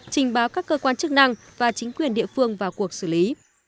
trình báo các cơ quan chức năng và chính quyền địa phương vào cuộc xử lý